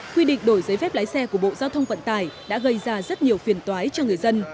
quy định đổi giấy phép lái xe của bộ giao thông vận tải đã gây ra rất nhiều phiền toái cho người dân